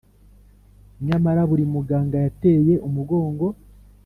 nyamara buri muganga yateye umugongo